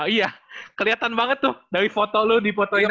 iya keliatan banget tuh dari foto lu dipotongin